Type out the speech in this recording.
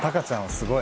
すごい。